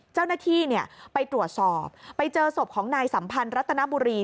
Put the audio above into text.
เจ้าหน้าที่ไปตรวจสอบไปเจอศพของนายสัมพันธ์รัตนบุรี